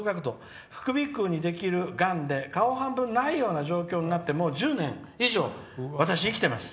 副鼻腔の半分に腫瘍ができる病気で顔半分ないような状況になって１０年以上、私、生きています。